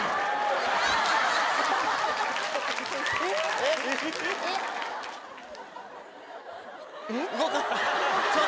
えっ？